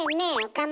岡村。